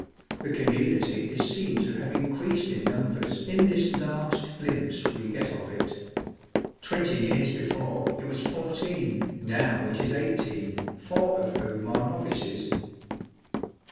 The community is seen to have increased in numbers in this last glimpse we get of it. Twenty years before it was fourteen, row it Is eighteen, four of whom are novices.